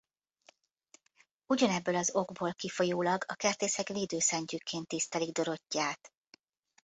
Ugyanebből az okból kifolyólag a kertészek védőszentjükként tisztelik Dorottyát.